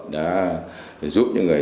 đã giúp những người